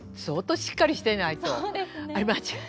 当しっかりしていないと。